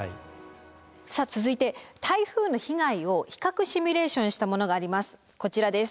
さあ続いて台風の被害を比較シミュレーションしたものがあります。